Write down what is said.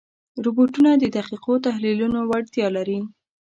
روبوټونه د دقیقو تحلیلونو وړتیا لري.